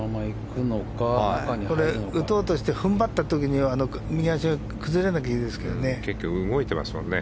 打とうとして踏ん張った時に右足が崩れなければいいですけどね。